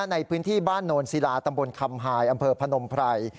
ในพื้นที่บ้านโนนศิลาตำบลคำหายอำเภอพนมไพร